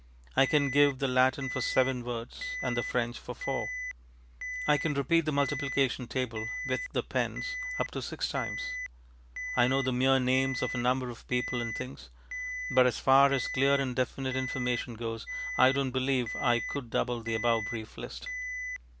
I can give the Latin for seven words, and the French for four. I can repeat the multiplication table (with the pence) up to six times. I know the mere names of a number of people and things; but, as far as clear and definite information goes, I donŌĆÖt believe I could double the above brief list.